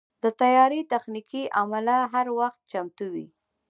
د طیارې تخنیکي عمله هر وخت چمتو وي.